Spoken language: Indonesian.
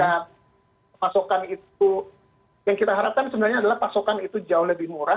dan pasokan itu yang kita harapkan sebenarnya adalah pasokan itu jauh lebih murah